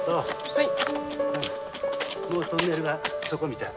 はい。